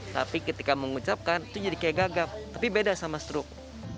tapi ketika mengucapkan itu jadi kayak gagap tapi beda sama stroke